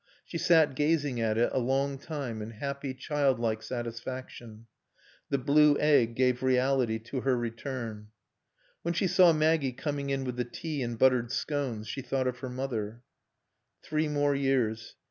She sat gazing at it a long time in happy, child like satisfaction. The blue egg gave reality to her return. When she saw Maggie coming in with the tea and buttered scones she thought of her mother. Three more years.